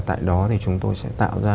tại đó thì chúng tôi sẽ tạo ra